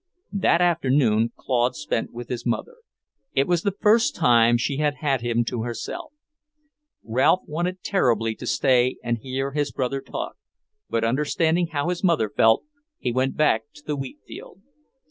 That afternoon Claude spent with his mother. It was the first time she had had him to herself. Ralph wanted terribly to stay and hear his brother talk, but understanding how his mother felt, he went back to the wheat field.